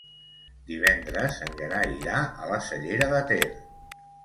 Divendres en Gerai irà a la Cellera de Ter.